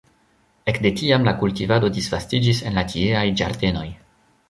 Ekde tiam la kultivado disvastiĝis en la tieaj ĝardenoj.